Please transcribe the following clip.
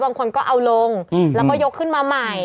บางคนก็เอาลงแล้วก็ยกขึ้นมาใหม่